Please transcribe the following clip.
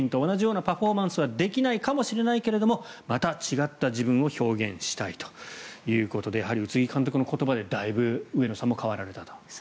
１３年前の北京と同じようなパフォーマンスはできないかもしれないけどまた違った自分を表現したいということでやはり宇津木監督の言葉で大分上野さんも変わられたと。